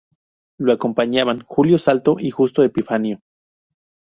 Lo acompañaban Julio Salto y Justo Epifanio.